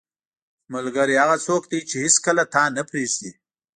• ملګری هغه څوک دی چې هیڅکله تا نه پرېږدي.